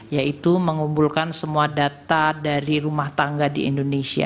yaitu mengumpulkan semua data dari rumah tangga di indonesia